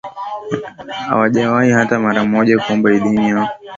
Hawajawahi hata mara moja kuomba idhini au kutoa tangazo kwa polisi